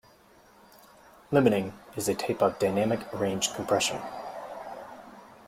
Limiting is a type of dynamic range compression.